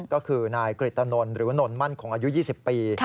ก็คือนายกริตนนหรือว่านนมั่นคงอายุ๒๐ปี